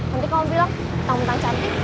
nanti kamu bilang kamu tak cantik